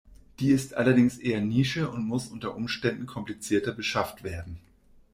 Die ist allerdings eher Nische und muss unter Umständen komplizierter beschafft werden.